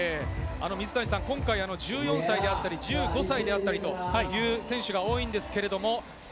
水谷さん、今回１４歳であったり、１５歳であったりという選手が多いんですけれども。